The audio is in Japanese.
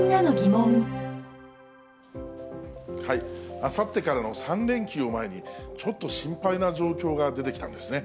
あさってからの３連休を前に、ちょっと心配な状況が出てきたんですね。